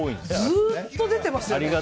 ずっと出てますよね。